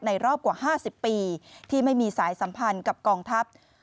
รอบกว่า๕๐ปีที่ไม่มีสายสัมพันธ์กับกองทัพ